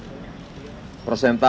untuk pilih keputusan